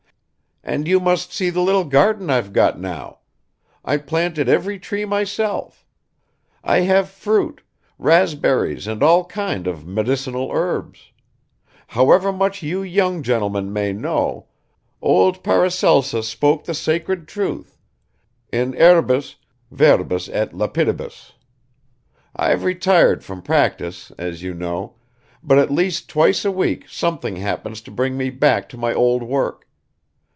"And you must see the little garden I've got now. I planted every tree myself. I have fruit, raspberries and all kinds of medicinal herbs. However much you young gentlemen may know, old Paracelsus spoke the sacred truth; in herbis, verbis et lapidibus ... I've retired from practice, as you know, but at least twice a week something happens to bring me back to my old work.